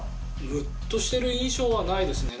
ムッとしてる印象はないですね。